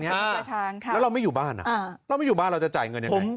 แล้วเราไม่อยู่บ้านเราไม่อยู่บ้านเราจะจ่ายเงินยังไง